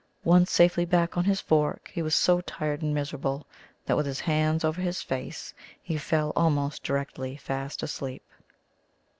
Once safely back on his fork, he was so tired and miserable that, with his hands over his face, he fell almost directly fast asleep.